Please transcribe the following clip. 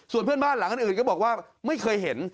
ส่วนเพื่อนบ้านหลังอื่นก็บอกว่าไม่เคยเห็น